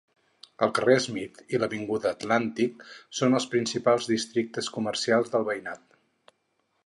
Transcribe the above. El carrer Smith i l'avinguda Atlantic son els principals districtes comercials del veïnat.